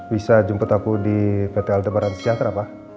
bisa jemput aku di pt aldebaran sejahtera pak